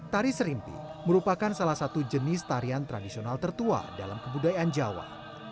tari serimpi merupakan salah satu jenis tarian tradisional tertua dalam kebudayaan jawa